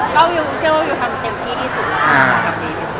ก็วิวเชื่อว่าวิวทำเต็มที่ที่สุด